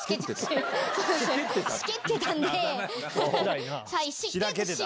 しけってたんで。